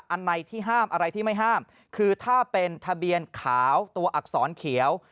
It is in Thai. อันไหนที่ห้ามอะไรที่ไม่ห้ามคือถ้าเป็นทะเบียนขาวตัวอักษรเขียว